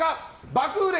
爆売れ！